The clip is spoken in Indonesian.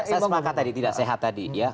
saya sepakat tadi tidak sehat tadi ya